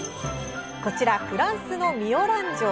こちら、フランスのミオラン城。